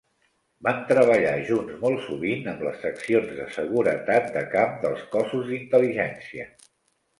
Van treballar junts molt sovint amb les seccions de Seguretat de camp dels Cossos d"Intel·ligència.